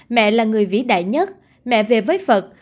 mẹ là người vĩ đại nhất mẹ về với phật